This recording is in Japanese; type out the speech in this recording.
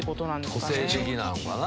個性的なのかな。